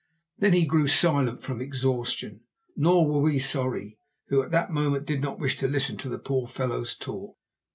Then he grew silent from exhaustion. Nor were we sorry, who at that moment did not wish to listen to the poor fellow's talk.